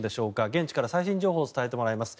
現地から最新情報を伝えてもらいます。